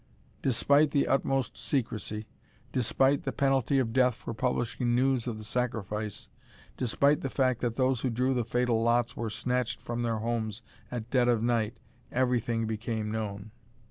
Despite the utmost secrecy, despite the penalty of death for publishing news of the sacrifice, despite the fact that those who drew the fatal lots were snatched from their homes at dead of night, everything became known.